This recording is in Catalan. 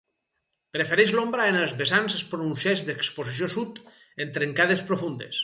Prefereix l'ombra en els vessants pronunciats d'exposició sud, en trencades profundes.